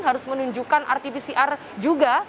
harus menunjukkan rt pcr juga